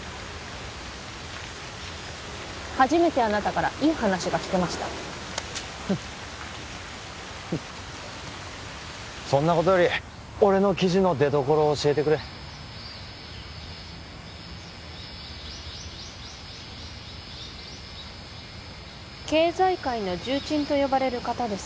初めてあなたからいい話が聞けましたふんそんなことより俺の記事の出どころを教えてくれ経済界の重鎮と呼ばれる方です